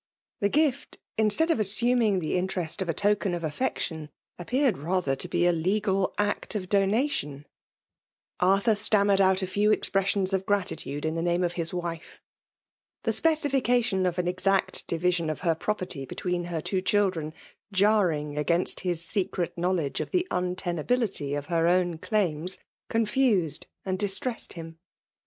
The gift, instead of assuming Ae interest of a token of affection, appeared rather to be a legal act of donation^ Arthur stammered out a few expressions of gratitude m the name of his wife. The speci fication of an exact division of her property between her two children, jarring against his secret knowledge of the untenability of her own daims, confused and distressed him. Mrs.